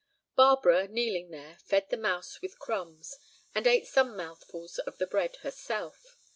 Barbara, kneeling there, fed the mouse with crumbs, and ate some mouthfuls of the bread herself.